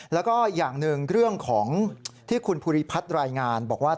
แล้วก็อย่างหนึ่งเรื่องของที่คุณภูริพัฒน์รายงานบอกว่า